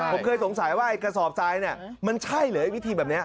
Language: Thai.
ผมเคยสงสัยว่ากระสอบทรายมันใช่เลยวิธีแบบนี้